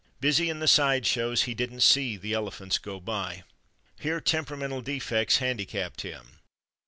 Busy in the sideshows, he didn't see the elephants go by.... Here temperamental defects handicapped him.